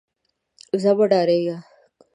ځه مه ډارېږه.